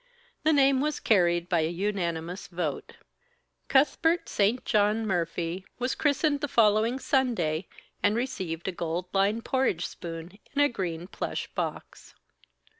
The name was carried by unanimous vote. Cuthbert St. John Murphy was christened the following Sunday, and received a gold lined porridge spoon in a green plush box.